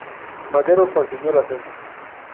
Madero consiguió el ascenso.